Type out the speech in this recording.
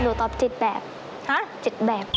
เหลือตอบ๗แบบ